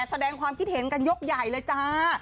แสดงความคิดเห็นกันยกใหญ่เลยจ้า